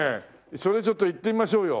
それちょっといってみましょうよ。